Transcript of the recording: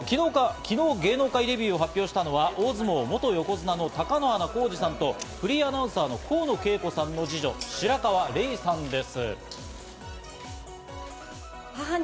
昨日、芸能界デビューを発表したのは大相撲・元横綱の貴乃花光司さんと、フリーアナウンサーの河野景子さんの二女・白河れいさんです。